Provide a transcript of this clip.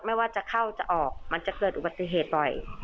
ไม่ว่าจะเข้าจะออกมันจะเกิดอุบัติเหตุบ่อย